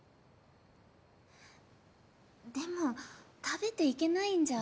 でも食べていけないんじゃ。